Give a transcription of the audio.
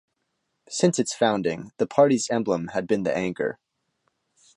Since its founding, the party's emblem had been the anchor.